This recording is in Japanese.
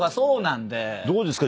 どうですか？